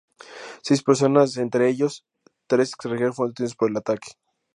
Seis personas, entre ellos tres extranjeros, fueron detenidos por el ataque.